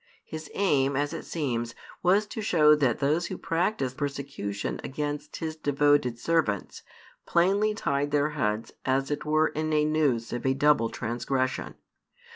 His aim, as it seems, was to show that those who practised persecution against His devoted servants, plainly tied their heads as it were in a noose of a double transgression.